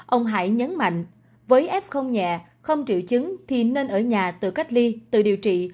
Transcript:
ông hải nhấn mạnh với f nhẹ không triệu chứng thì nên ở nhà tự cách ly tự điều trị